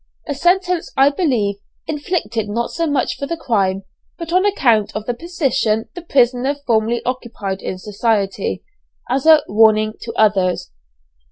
A sentence, I believe, inflicted not so much for the crime, but on account of the position the prisoner formerly occupied in society, and "as a warning to others."